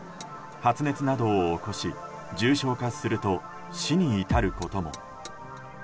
発熱などを起こし重症化すると死に至ることも。